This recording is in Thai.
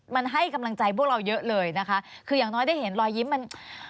มันให้กำลังใจพวกเราเยอะเลยนะคะคืออย่างน้อยได้เห็นรอยยิ้มมัน